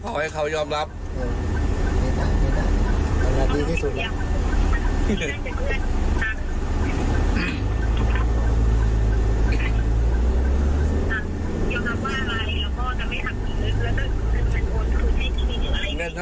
ผมจะยอมรับเรื่องที่หนูทำอย่างค่ะ